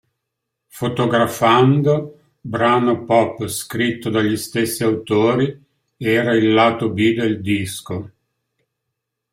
Fotografando, brano pop scritto dagli stessi autori, era il lato B del disco.